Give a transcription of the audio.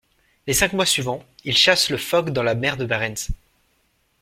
Les cinq mois suivants, ils chassent le phoque dans la mer de Barents.